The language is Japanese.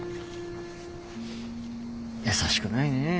優しくないねえ。